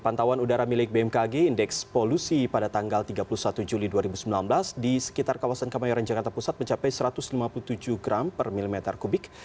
pantauan udara milik bmkg indeks polusi pada tanggal tiga puluh satu juli dua ribu sembilan belas di sekitar kawasan kemayoran jakarta pusat mencapai satu ratus lima puluh tujuh gram per milimeter kubik